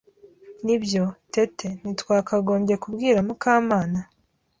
Nibyo, Tete, ntitwakagombye kubwira Mukamana?